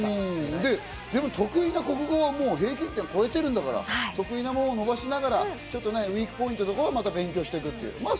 でも得意な国語は平均点を超えてるんだから得意なほうを伸ばしながら、ウィークポイントは勉強していく。